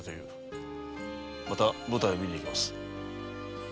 また舞台を見に行きます。